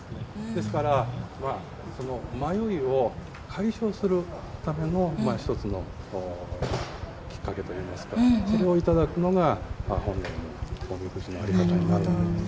ですから、迷いを解消するための１つのきっかけといいますかそれをいただくのが、本来のおみくじのあり方だと思います。